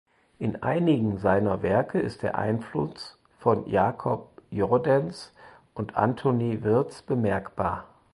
In einigen seiner Werke ist der Einfluss von Jacob Jordaens und Antoine Wiertz bemerkbar.